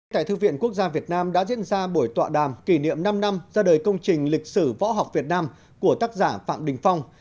tại thư viện quốc gia việt nam đã diễn ra buổi tọa đàm kỷ niệm năm năm ra đời công trình lịch sử võ học việt nam của tác giả phạm đình phong